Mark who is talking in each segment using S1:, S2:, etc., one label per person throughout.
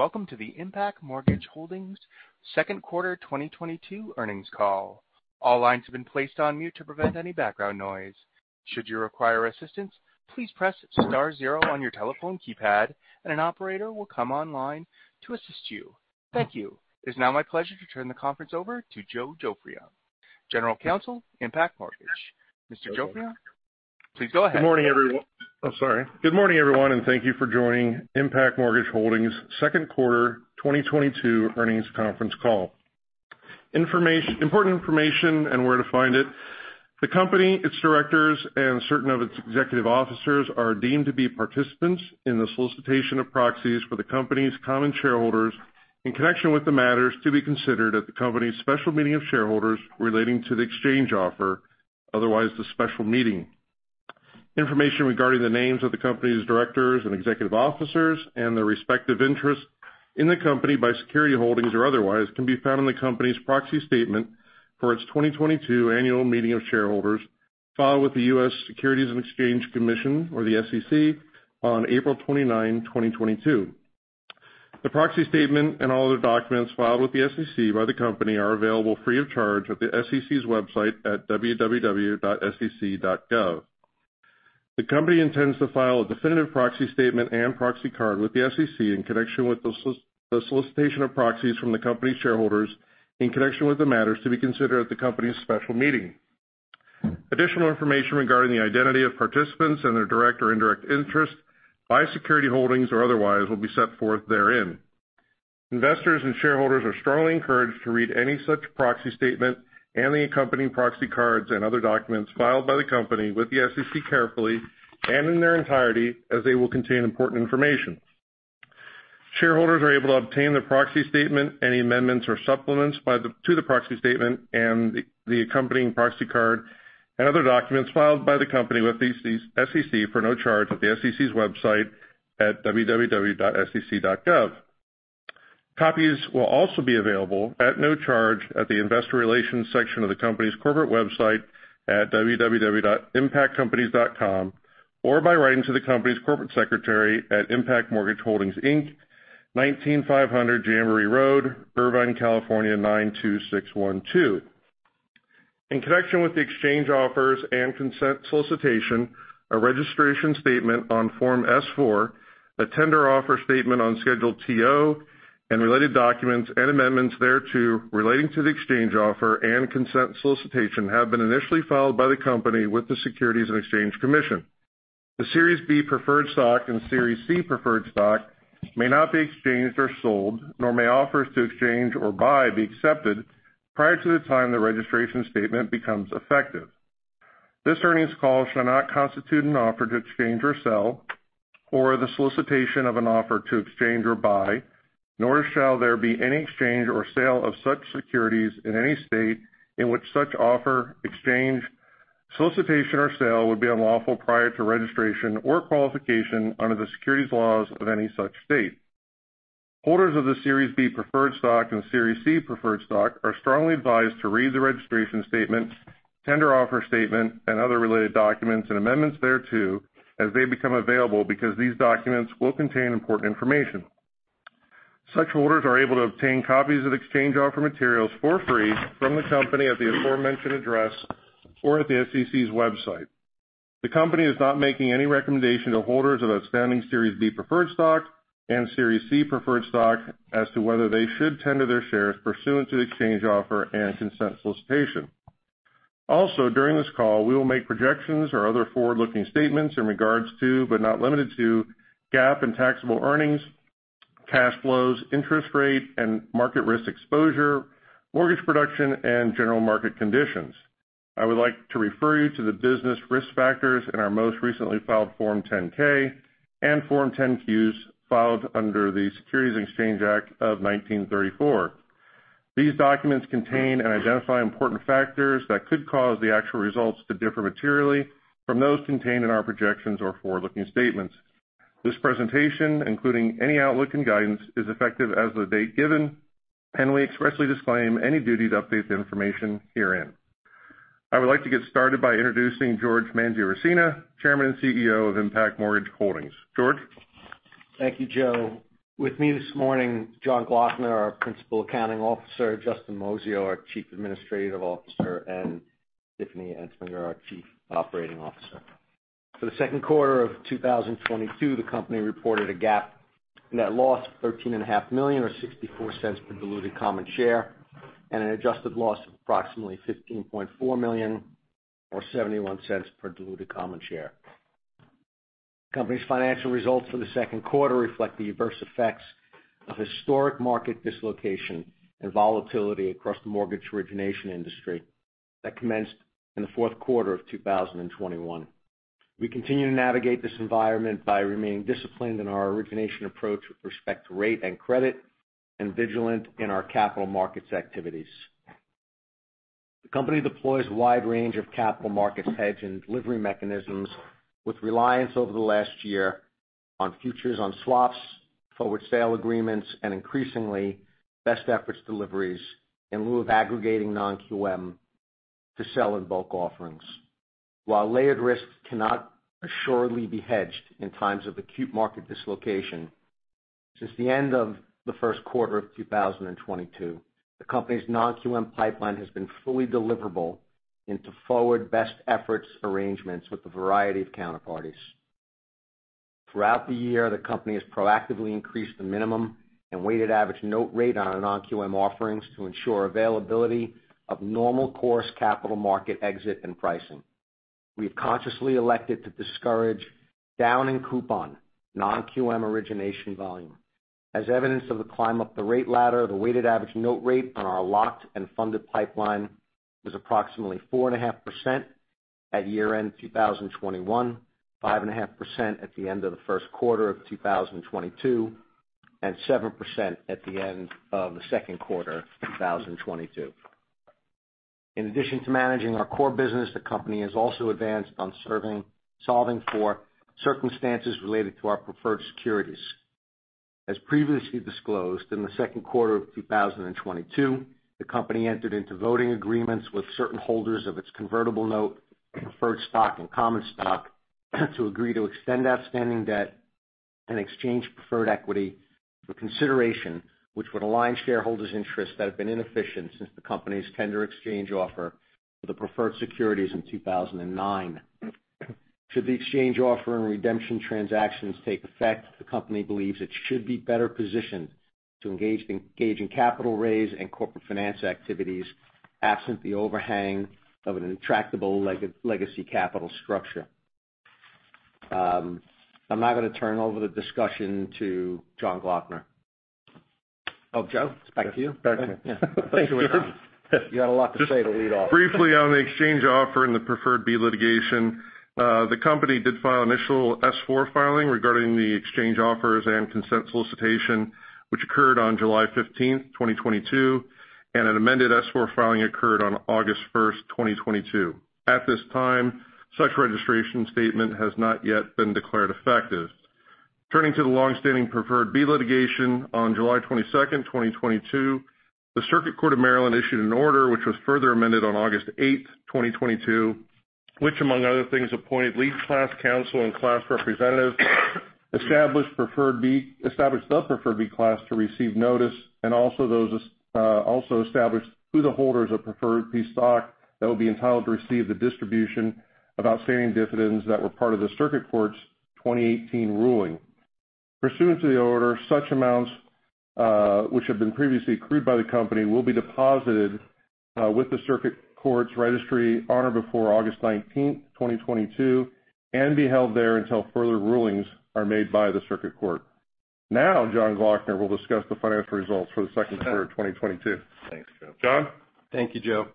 S1: Welcome to the Impac Mortgage Holdings Q2 2022 Earnings Call. All lines have been placed on mute to prevent any background noise. Should you require assistance, please press star zero on your telephone keypad and an operator will come online to assist you. Thank you. It's now my pleasure to turn the conference over to Joe Joffrion, General Counsel, Impac Mortgage. Mr. Joffrion, please go ahead.
S2: Good morning, everyone, and thank you for joining Impac Mortgage Holdings Q2 2022 Earnings Conference Call. Information. Important information and where to find it. The company, its directors, and certain of its executive officers are deemed to be participants in the solicitation of proxies for the company's common shareholders in connection with the matters to be considered at the company's special meeting of shareholders relating to the exchange offer, otherwise the special meeting. Information regarding the names of the company's directors and executive officers and their respective interests in the company by security holdings or otherwise, can be found in the company's proxy statement for its 2022 annual meeting of shareholders filed with the U.S. Securities and Exchange Commission or the SEC on April 29, 2022. The proxy statement and all other documents filed with the SEC by the company are available free of charge at the SEC's website at www.sec.gov. The company intends to file a definitive proxy statement and proxy card with the SEC in connection with the solicitation of proxies from the company's shareholders in connection with the matters to be considered at the company's special meeting. Additional information regarding the identity of participants and their direct or indirect interest in security holdings or otherwise will be set forth therein. Investors and shareholders are strongly encouraged to read any such proxy statement and the accompanying proxy cards and other documents filed by the company with the SEC carefully and in their entirety as they will contain important information. Shareholders are able to obtain the proxy statement, any amendments or supplements to the proxy statement and the accompanying proxy card and other documents filed by the company with the SEC for no charge at the SEC's website at www.sec.gov. Copies will also be available at no charge at the investor relations section of the company's corporate website at www.impaccompanies.com, or by writing to the company's corporate secretary at Impac Mortgage Holdings, Inc., 19500 Jamboree Road, Irvine, California 92612. In connection with the exchange offers and consent solicitation, a registration statement on Form S-4, a tender offer statement on Schedule TO, and related documents and amendments thereto relating to the exchange offer and consent solicitation have been initially filed by the company with the Securities and Exchange Commission. The Series B Preferred Stock and Series C Preferred Stock may not be exchanged or sold, nor may offers to exchange or buy be accepted prior to the time the registration statement becomes effective. This earnings call shall not constitute an offer to exchange or sell, or the solicitation of an offer to exchange or buy, nor shall there be any exchange or sale of such securities in any state in which such offer, exchange, solicitation, or sale would be unlawful prior to registration or qualification under the securities laws of any such state. Holders of the Series B Preferred Stock and Series C Preferred Stock are strongly advised to read the registration statement, tender offer statement, and other related documents and amendments thereto as they become available because these documents will contain important information. Such holders are able to obtain copies of exchange offer materials for free from the company at the aforementioned address or at the SEC's website. The company is not making any recommendation to holders of outstanding Series B Preferred Stock and Series C Preferred Stock as to whether they should tender their shares pursuant to the exchange offer and consent solicitation. Also, during this call, we will make projections or other forward-looking statements in regards to, but not limited to GAAP and taxable earnings, cash flows, interest rate and market risk exposure, mortgage production, and general market conditions. I would like to refer you to the business risk factors in our most recently filed Form 10-K and Form 10-Qs filed under the Securities Exchange Act of 1934. These documents contain and identify important factors that could cause the actual results to differ materially from those contained in our projections or forward-looking statements. This presentation, including any outlook and guidance, is effective as of the date given, and we expressly disclaim any duty to update the information herein. I would like to get started by introducing George Mangiaracina, Chairman and CEO of Impac Mortgage Holdings. George?
S3: Thank you, Joe. With me this morning, Jon Gloeckner, our Principal Accounting Officer, Justin Moisio, our Chief Administrative Officer, and Tiffany Entsminger, our Chief Operating Officer. For the Q2 of 2022, the company reported a GAAP net loss of $13 and a half million, or $0.64 per diluted common share, and an adjusted loss of approximately $15.4 million, or $0.71 per diluted common share. Company's financial results for the second quarter reflect the adverse effects of historic market dislocation and volatility across the mortgage origination industry that commenced in the Q4 of 2021. We continue to navigate this environment by remaining disciplined in our origination approach with respect to rate and credit and vigilant in our capital markets activities. The company deploys a wide range of capital markets hedge and delivery mechanisms with reliance over the last year on futures on swaps, forward sale agreements and increasingly best efforts deliveries in lieu of aggregating non-QM. To sell in bulk offerings. While layered risks cannot assuredly be hedged in times of acute market dislocation, since the end of the first quarter of 2022, the company's non-QM pipeline has been fully deliverable into forward best efforts arrangements with a variety of counterparties. Throughout the year, the company has proactively increased the minimum and weighted average note rate on our non-QM offerings to ensure availability of normal course capital market exit and pricing. We've consciously elected to discourage down in coupon non-QM origination volume. As evidence of the climb up the rate ladder, the weighted average note rate on our locked and funded pipeline was approximately 4.5% at year-end 2021, 5.5% at the end of the Q1 of 2022, and 7% at the end of the Q2 of 2022. In addition to managing our core business, the company has also advanced on solving for circumstances related to our preferred securities. As previously disclosed, in the Q2 of 2022, the company entered into voting agreements with certain holders of its convertible note, preferred stock, and common stock to agree to extend outstanding debt and exchange preferred equity for consideration, which would align shareholders' interests that have been inefficient since the company's tender exchange offer for the preferred securities in 2009. Should the exchange offer and redemption transactions take effect, the company believes it should be better positioned to engage in capital raise and corporate finance activities absent the overhang of an intractable legacy capital structure. I'm now gonna turn over the discussion to Jon Gloeckner. Oh, Joe, it's back to you.
S2: Back to me.
S3: Yeah. Thank you very much. You had a lot to say to lead off.
S2: Just briefly on the exchange offer and the Preferred B litigation. The company did file initial S-4 filing regarding the exchange offers and consent solicitation, which occurred on July 15, 2022, and an amended S-4 filing occurred on August 1, 2022. At this time, such registration statement has not yet been declared effective. Turning to the long-standing Preferred B litigation on July 22, 2022, the Circuit Court of Maryland issued an order, which was further amended on August 8, 2022, which, among other things, appointed lead class counsel and class representative, established the Preferred B class to receive notice, and also established who the holders of Preferred B stock that will be entitled to receive the distribution of outstanding dividends that were part of the Circuit Court's 2018 ruling. Pursuant to the order, such amounts, which have been previously accrued by the company, will be deposited, with the Circuit Court's registry on or before August nineteenth, 2022, and be held there until further rulings are made by the Circuit Court. Now, Jon Gloeckner will discuss the financial results for the second quarter of 2022.
S4: Thanks, Joe.
S2: Jon?
S4: Thank you, Joe.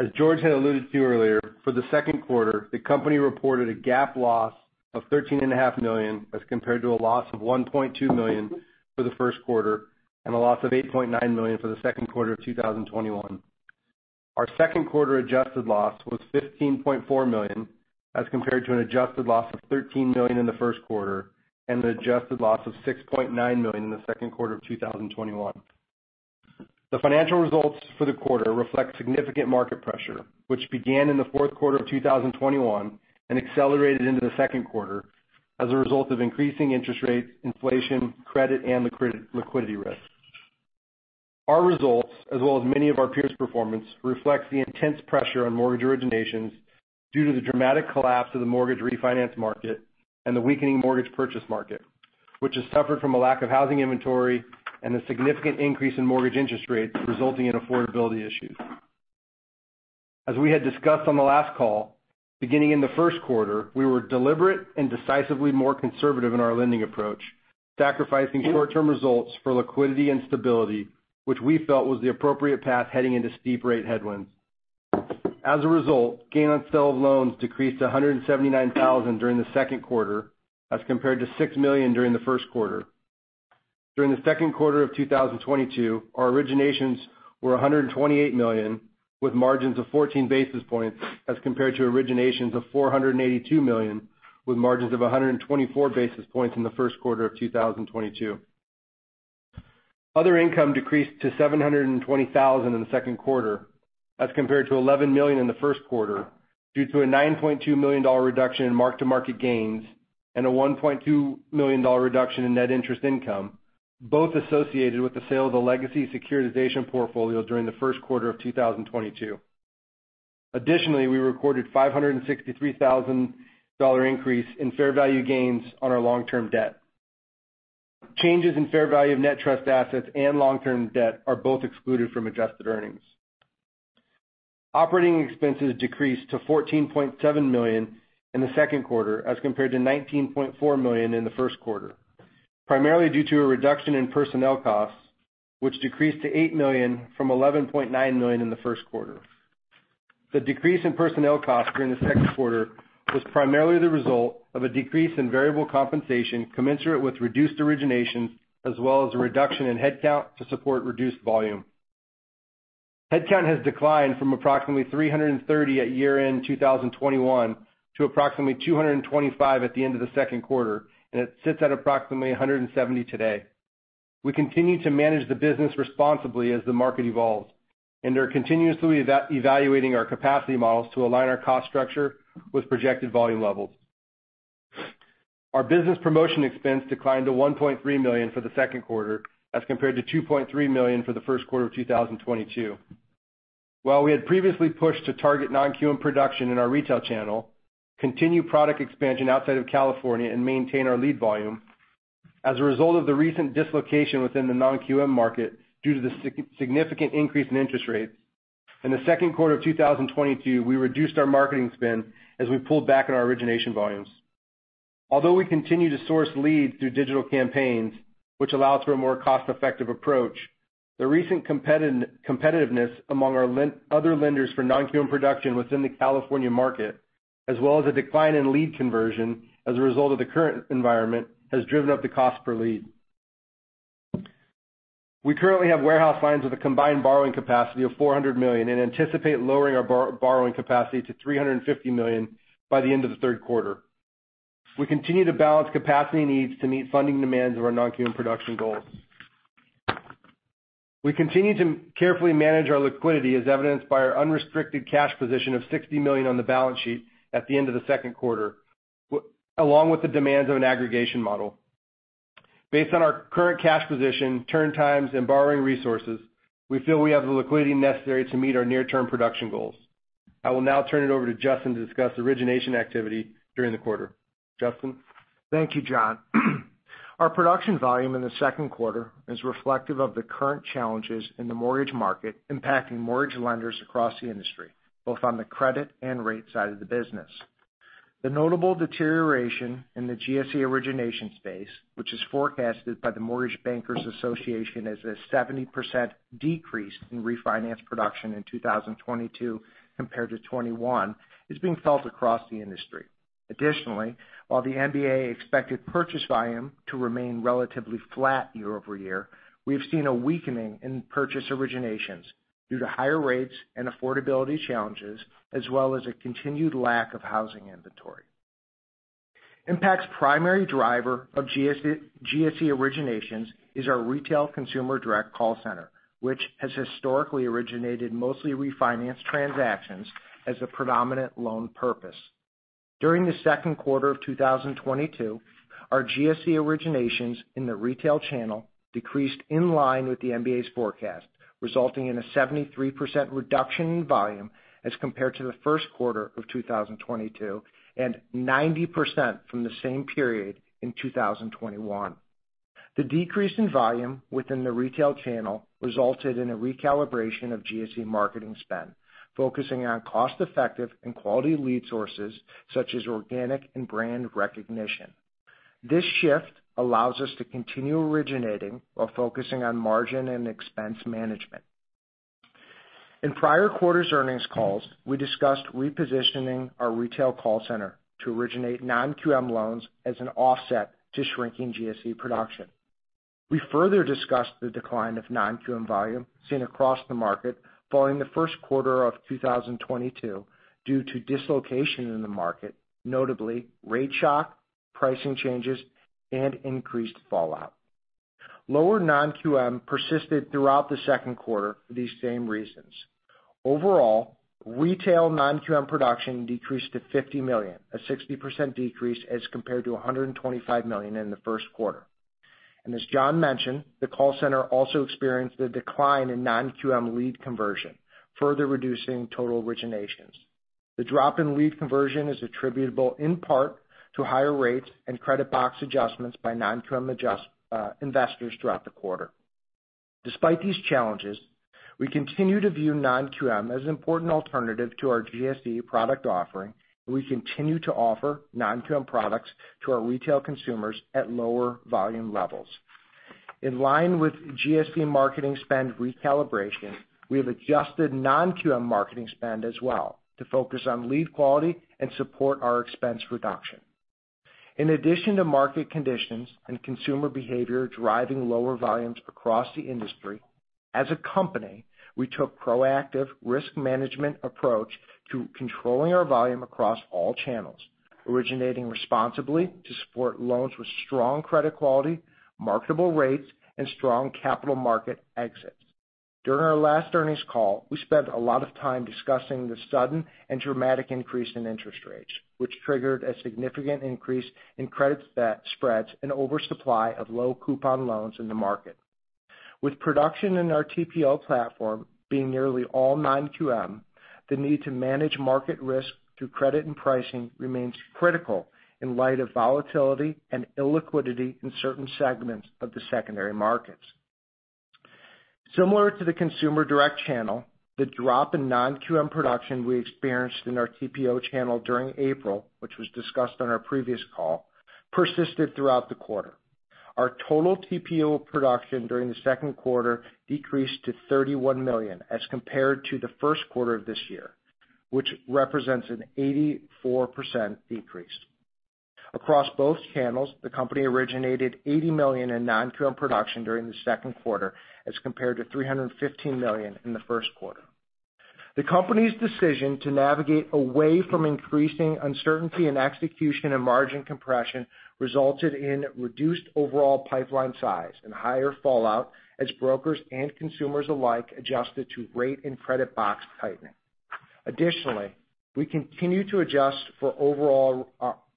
S4: As George had alluded to earlier, for the Q2, the company reported a GAAP loss of $13.5 million, as compared to a loss of $1.2 million for the Q1, and a loss of $8.9 million for the Q2 of 2021. Our Q2 adjusted loss was $15.4 million, as compared to an adjusted loss of $13 million in the Q1, and an adjusted loss of $6.9 million in the Q2 of 2021. The financial results for the quarter reflect significant market pressure, which began in the Q4 of 2021 and accelerated into the second quarter as a result of increasing interest rates, inflation, credit, and liquidity risk. Our results, as well as many of our peers' performance, reflects the intense pressure on mortgage originations due to the dramatic collapse of the mortgage refinance market and the weakening mortgage purchase market, which has suffered from a lack of housing inventory and a significant increase in mortgage interest rates resulting in affordability issues. As we had discussed on the last call, beginning in the first quarter, we were deliberate and decisively more conservative in our lending approach, sacrificing short-term results for liquidity and stability, which we felt was the appropriate path heading into steep rate headwinds. As a result, gain on sale of loans decreased to $179,000 during the second quarter as compared to $6 million during the first quarte. During the Q2 of 2022, our originations were $128 million, with margins of 14 basis points as compared to originations of $482 million with margins of 124 basis points in the Q1 of 2022. Other income decreased to $720,000 in the Q2 as compared to $11 million in the first quarter due to a $9.2 million reduction in mark-to-market gains and a $1.2 million reduction in net interest income, both associated with the sale of the legacy securitization portfolio during the Q1 of 2022. Additionally, we recorded $563,000 increase in fair value gains on our long-term debt. Changes in fair value of net trust assets and long-term debt are both excluded from adjusted earnings. Operating expenses decreased to $14.7 million in the Q2 as compared to $19.4 million in the Q1, primarily due to a reduction in personnel costs, which decreased to $8 million from $11.9 million in the Q1. The decrease in personnel costs during the Q2 was primarily the result of a decrease in variable compensation commensurate with reduced originations as well as a reduction in headcount to support reduced volume. Headcount has declined from approximately 330 at year-end 2021 to approximately 225 at the end of the Q2, and it sits at approximately 170 today. We continue to manage the business responsibly as the market evolves, and they're continuously evaluating our capacity models to align our cost structure with projected volume levels. Our business promotion expense declined to $1.3 million for the Q2 as compared to $2.3 million for the first quarter of 2022. While we had previously pushed to target non-QM production in our retail channel, continue product expansion outside of California, and maintain our lead volume, as a result of the recent dislocation within the non-QM market due to the significant increase in interest rates, in the Q2 of 2022, we reduced our marketing spend as we pulled back on our origination volumes. Although we continue to source leads through digital campaigns, which allows for a more cost-effective approach, the recent competitiveness among our other lenders for non-QM production within the California market, as well as a decline in lead conversion as a result of the current environment, has driven up the cost per lead. We currently have warehouse lines with a combined borrowing capacity of $400 million and anticipate lowering our borrowing capacity to $350 million by the end of the Q3. We continue to balance capacity needs to meet funding demands of our non-QM production goals. We continue to carefully manage our liquidity as evidenced by our unrestricted cash position of $60 million on the balance sheet at the end of the Q2, along with the demands of an aggregation model. Based on our current cash position, turn times, and borrowing resources, we feel we have the liquidity necessary to meet our near-term production goals. I will now turn it over to Justin to discuss origination activity during the quarter. Justin.
S5: Thank you, Jon. Our production volume in the Q2 is reflective of the current challenges in the mortgage market impacting mortgage lenders across the industry, both on the credit and rate side of the business. The notable deterioration in the GSE origination space, which is forecasted by the Mortgage Bankers Association as a 70% decrease in refinance production in 2022 compared to 2021, is being felt across the industry. Additionally, while the MBA expected purchase volume to remain relatively flat year-over-year, we have seen a weakening in purchase originations due to higher rates and affordability challenges, as well as a continued lack of housing inventory. Impac's primary driver of GSE originations is our retail consumer direct call center, which has historically originated mostly refinance transactions as a predominant loan purpose. During the Q2 of 2022, our GSE originations in the retail channel decreased in line with the MBA's forecast, resulting in a 73% reduction in volume as compared to the Q1 of 2022, and 90% from the same period in 2021. The decrease in volume within the retail channel resulted in a recalibration of GSE marketing spend, focusing on cost-effective and quality lead sources such as organic and brand recognition. This shift allows us to continue originating while focusing on margin and expense management. In prior quarters' earnings calls, we discussed repositioning our retail call center to originate non-QM loans as an offset to shrinking GSE production. We further discussed the decline of non-QM volume seen across the market following the Q1 of 2022 due to dislocation in the market, notably rate shock, pricing changes, and increased fallout. Lower non-QM persisted throughout the Q2 for these same reasons. Overall, retail non-QM production decreased to $50 million, a 60% decrease as compared to $125 million in the Q1. As Jon mentioned, the call center also experienced a decline in non-QM lead conversion, further reducing total originations. The drop in lead conversion is attributable in part to higher rates and credit box adjustments by non-QM investors throughout the quarter. Despite these challenges, we continue to view non-QM as an important alternative to our GSE product offering, and we continue to offer non-QM products to our retail consumers at lower volume levels. In line with GSE marketing spend recalibration, we have adjusted non-QM marketing spend as well to focus on lead quality and support our expense reduction. In addition to market conditions and consumer behavior driving lower volumes across the industry, as a company, we took proactive risk management approach to controlling our volume across all channels, originating responsibly to support loans with strong credit quality, marketable rates, and strong capital market exits. During our last earnings call, we spent a lot of time discussing the sudden and dramatic increase in interest rates, which triggered a significant increase in credit spreads and oversupply of low coupon loans in the market. With production in our TPO platform being nearly all non-QM, the need to manage market risk through credit and pricing remains critical in light of volatility and illiquidity in certain segments of the secondary markets. Similar to the consumer direct channel, the drop in non-QM production we experienced in our TPO channel during April, which was discussed on our previous call, persisted throughout the quarter. Our total TPO production during the second quarter decreased to $31 million as compared to the Q1 of this year, which represents an 84% decrease. Across both channels, the company originated $80 million in non-QM production during the second quarter as compared to $315 million in the first quarter. The company's decision to navigate away from increasing uncertainty in execution and margin compression resulted in reduced overall pipeline size and higher fallout as brokers and consumers alike adjusted to rate and credit box tightening. Additionally, we continue to adjust for overall.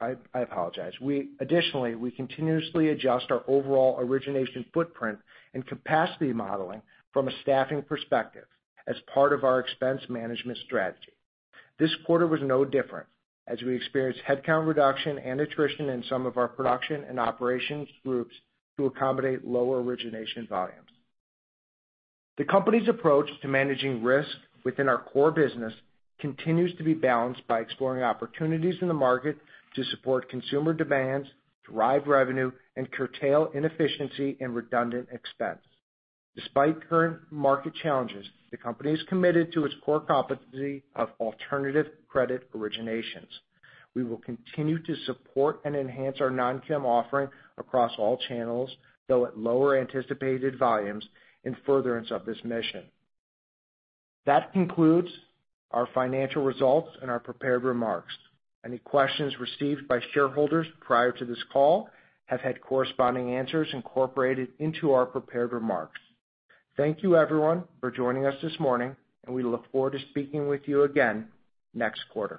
S5: I apologize. Additionally, we continuously adjust our overall origination footprint and capacity modeling from a staffing perspective as part of our expense management strategy. This quarter was no different as we experienced headcount reduction and attrition in some of our production and operations groups to accommodate lower origination volumes. The company's approach to managing risk within our core business continues to be balanced by exploring opportunities in the market to support consumer demands, drive revenue, and curtail inefficiency and redundant expense. Despite current market challenges, the company is committed to its core competency of alternative credit originations. We will continue to support and enhance our non-QM offering across all channels, though at lower anticipated volumes in furtherance of this mission. That concludes our financial results and our prepared remarks. Any questions received by shareholders prior to this call have had corresponding answers incorporated into our prepared remarks. Thank you, everyone, for joining us this morning, and we look forward to speaking with you again next quarter.